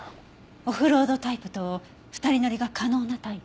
オフロードタイプと２人乗りが可能なタイプ。